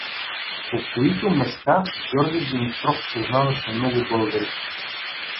По които места Георги Димитров познаваше много българи.